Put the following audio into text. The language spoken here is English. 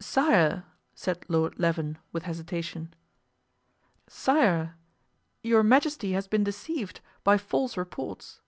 "Sire," said Lord Leven, with hesitation, "sire, your majesty has been deceived by false reports."